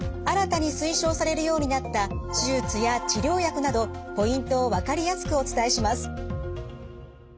新たに推奨されるようになった手術や治療薬などポイントを分かりやすくお伝えします。